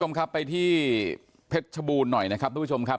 ทุกชมครับไปที่เผ็ดชบูนหน่อยนะครับทุกชมครับ